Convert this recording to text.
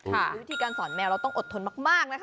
หรือวิธีการสอนแมวเราต้องอดทนมากนะคะ